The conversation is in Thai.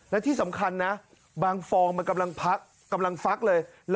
และที่สำคัญนะบางฟองมันกำลังพักเลย